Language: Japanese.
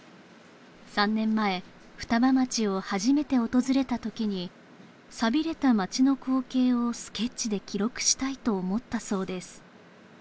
３年前双葉町を初めて訪れた時に寂れた町の光景をスケッチで記録したいと思ったそうです